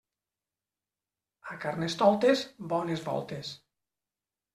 A Carnestoltes, bones voltes.